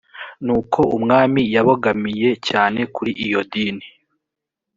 nuko umwami yabogamiye cyane kuri iyo dini